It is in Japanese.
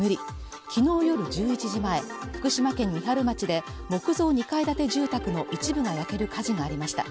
昨日夜１１時前福島県三春町で木造２階建て住宅の一部が焼ける火事がありました